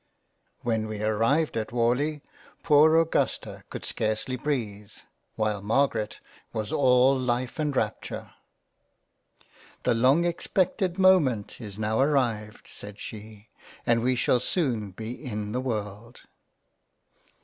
When we arrived at Warleigh, poor Augusta could scarcely breathe, while Margaret was all Life and Rapture. " The 104 £ A COLLECTION OF LETTERS £ long expected Moment is now arrived (said she) and we shall soon be in the World."